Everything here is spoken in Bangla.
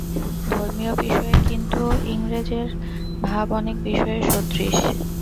ধর্মবিষয়ে হিন্দু ও ইংরেজের ভাব অনেক বিষয়ে সদৃশ।